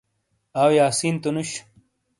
آؤ یاسین تو نُش؟